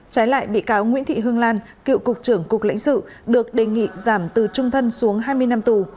trái lại bị cáo nguyễn thị hương lan cựu cục trưởng cục lãnh sự được đề nghị giảm từ trung thân xuống hai mươi năm tù